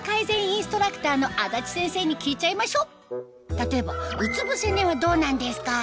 例えばうつ伏せ寝はどうなんですか？